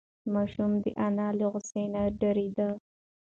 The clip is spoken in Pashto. ماشوم د انا له غوسې نه ډارېده.